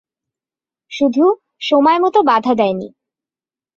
শুধু, সময়মতো বাধা দেইনি।